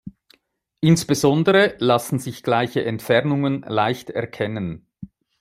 Insbesondere lassen sich gleiche Entfernungen leicht erkennen.